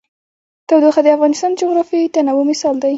تودوخه د افغانستان د جغرافیوي تنوع مثال دی.